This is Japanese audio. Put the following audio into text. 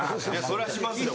それはしますよ